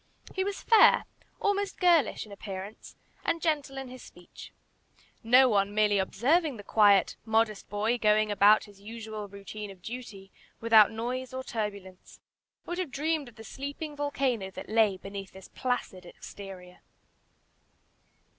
He was fair, almost girlish, in appearance, and gentle in his speech. No one, merely observing the quiet, modest boy, going about his usual routine of duty, without noise or turbulence, would have dreamed of the sleeping volcano that lay beneath this placid exterior.